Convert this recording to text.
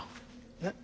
えっ。